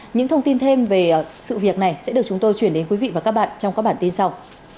những thông tin thêm về sự việc này sẽ được chúng tôi chuyển đến quý vị và các bạn trong các bản tin sau